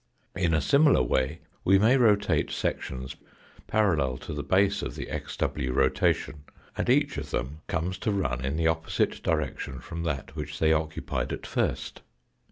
In a similar way we may rotate sections parallel to the base of the xw rotation, and each of them comes to run in the opposite direction from that which they occupied at first.